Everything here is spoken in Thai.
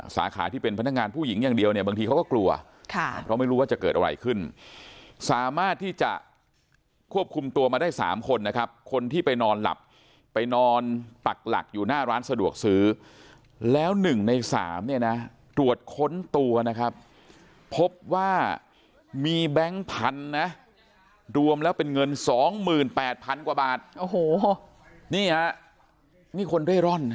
สาขาที่เป็นพนักงานผู้หญิงอย่างเดียวเนี่ยบางทีเขาก็กลัวค่ะเพราะไม่รู้ว่าจะเกิดอะไรขึ้นสามารถที่จะควบคุมตัวมาได้๓คนนะครับคนที่ไปนอนหลับไปนอนปักหลักอยู่หน้าร้านสะดวกซื้อแล้ว๑ใน๓เนี่ยนะตรวจค้นตัวนะครับพบว่ามีแบงค์พันธุ์นะรวมแล้วเป็นเงิน๒๘๐๐๐กว่าบาทโอ้โหนี่ฮะนี่คนเร่ร่อนนะ